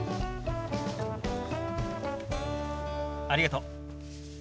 ありがとう。